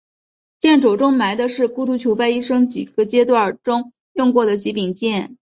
剑冢中埋的是独孤求败一生几个阶段中用过的几柄剑。